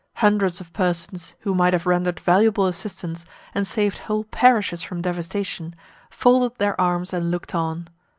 Hundreds of persons, who might have rendered valuable assistance, and saved whole parishes from devastation, folded their arms and looked on.